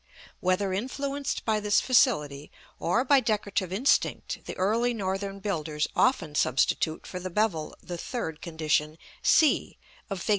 Whether influenced by this facility, or by decorative instinct, the early northern builders often substitute for the bevel the third condition, c, of Fig.